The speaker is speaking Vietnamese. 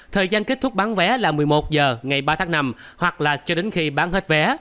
thời gian kết thúc bán vé là một mươi một h ngày ba tháng năm hoặc là cho đến khi bán hết vé